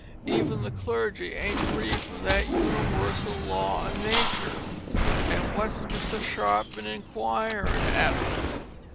Even the clergy ain't free from that uniwersal law of natur. But what's Mr Sharp bin inquiring arter?"